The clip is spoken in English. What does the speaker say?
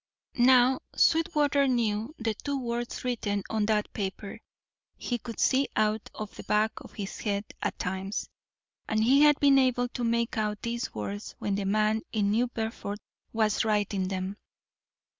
Now, Sweetwater knew the two words written on that paper. He could see out of the back of his head at times, and he had been able to make out these words when the man in New Bedford was writing them.